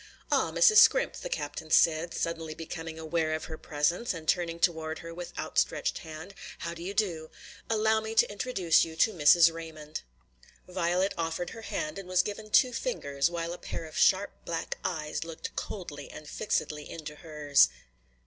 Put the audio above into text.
"Ah, Mrs. Scrimp!" the captain said, suddenly becoming aware of her presence, and turning toward her with outstretched hand, "how d'ye do? Allow me to introduce you to Mrs. Raymond." Violet offered her hand and was given two fingers, while a pair of sharp black eyes looked coldly and fixedly into hers.